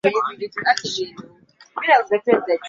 kwamba ibogaini si halali katika nchi zote zilizoendelea